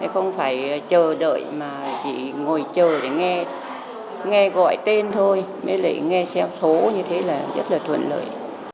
không phải chờ đợi mà chỉ ngồi chờ để nghe nghe gọi tên thôi nghe xeo số như thế là rất là thuận lợi